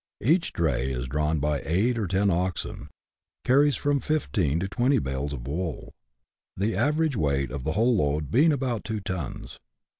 Each dray, drawn by eight or ten oxen, carries from fifteen to twenty bales of wool ; the average weight of the whole load being about two tons.